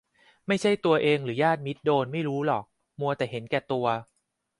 ไม่ใช่ตัวเองหรือญาติมิตรโดนไม่รู้หรอก มัวแต่เห็นแก่ตัว